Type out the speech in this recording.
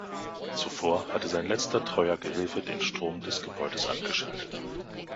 Zuvor hatte sein letzter treuer Gehilfe den Strom des Gebäudes abgeschaltet.